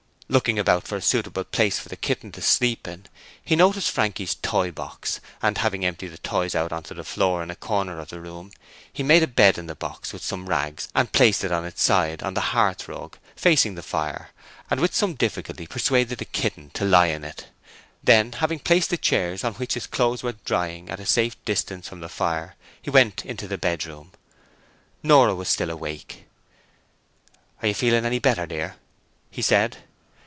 Looking about for a suitable place for the kitten to sleep in, he noticed Frankie's toy box, and having emptied the toys on to the floor in a corner of the room, he made a bed in the box with some rags and placed it on its side on the hearthrug, facing the fire, and with some difficulty persuaded the kitten to lie in it. Then, having placed the chairs on which his clothes were drying at a safe distance from the fire, he went into the bedroom. Nora was still awake. 'Are you feeling any better, dear?' he said.